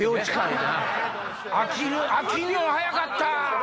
飽きんのが早かった。